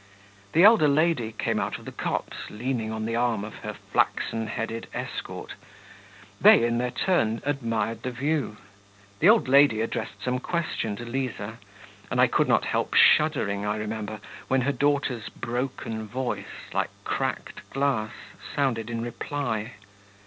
The elder lady came out of the copse leaning on the arm of her flaxen headed escort; they, in their turn, admired the view. The old lady addressed some question to Liza, and I could not help shuddering, I remember, when her daughter's broken voice, like cracked glass, sounded in reply.